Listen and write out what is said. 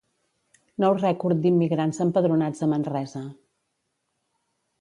Nou rècord d'immigrants empadronats a Manresa